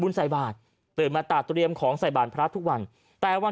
ใส่บาทตื่นมาตากเรียมของใส่บาทพระทุกวันแต่วัน